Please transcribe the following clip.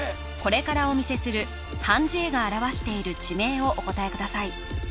これからお見せする判じ絵が表している地名をお答えください